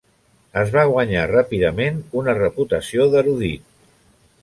Es va guanyar ràpidament una reputació d'erudit.